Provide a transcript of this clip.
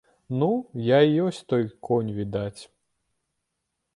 Ну, я і ёсць той конь, відаць.